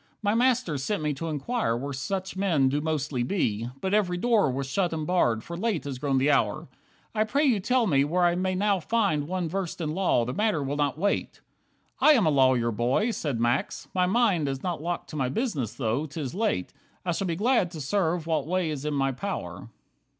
My master sent me to inquire where Such men do mostly be, but every door Was shut and barred, for late has grown the hour. I pray you tell me where I may now find One versed in law, the matter will not wait." "I am a lawyer, boy," said Max, "my mind Is not locked to my business, though 'tis late. I shall be glad to serve what way is in my power.